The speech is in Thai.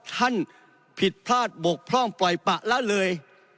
ท่านผิดพลาดบกพร่องปล่อยปะละเลย